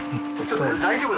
大丈夫？